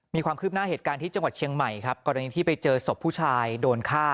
มีความคืบหน้าเหตุการณ์ที่จังหวัดเชียงใหม่ครับกรณีที่ไปเจอศพผู้ชายโดนฆ่า